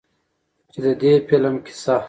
چې د دې فلم قيصه